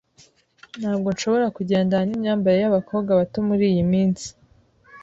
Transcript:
Ntabwo nshobora kugendana nimyambarire yabakobwa bato muriyi minsi.